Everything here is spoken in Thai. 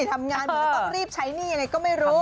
ทำงานเหมือนต้องรีบใช้นี่ยังไงก็ไม่รู้